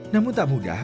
namun tak mudah